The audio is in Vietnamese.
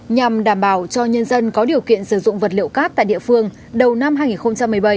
nhằm đảm bảo cho nhân dân có điều kiện sử dụng vật liệu cát tại địa phương đầu năm hai nghìn một mươi bảy